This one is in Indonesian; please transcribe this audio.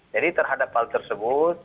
jadi terhadap hal tersebut